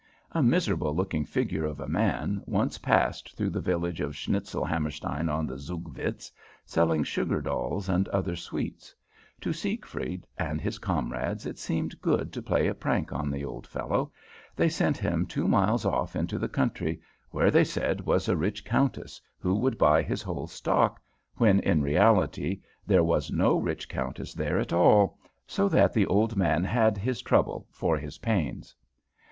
A miserable looking figure of a man once passed through the village of Schnitzelhammerstein on the Zugvitz, selling sugar dolls and other sweets. To Siegfried and his comrades it seemed good to play a prank on the old fellow. They sent him two miles off into the country, where, they said, was a rich countess, who would buy his whole stock, when in reality there was no rich countess there at all, so that the old man had his trouble for his pains.